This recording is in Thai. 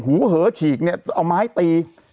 หูเหอฉีกเอาไม้ตี